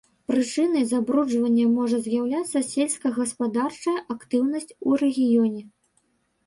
Прычынай забруджвання можа з'яўляцца сельскагаспадарчая актыўнасць у рэгіёне.